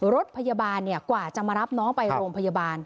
รถพยาบาลกว่าจะมารับน้องไปโรงพยาบาล